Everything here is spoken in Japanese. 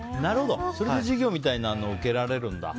それで授業みたいなのを受けられるんだ。